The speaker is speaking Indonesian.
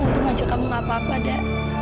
untung aja kamu gak apa apa da